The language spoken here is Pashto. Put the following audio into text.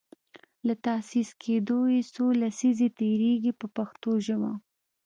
له تاسیس کیدو یې څو لسیزې تیریږي په پښتو ژبه.